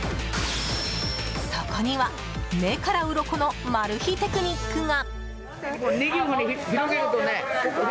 そこには、目からうろこのマル秘テクニックが。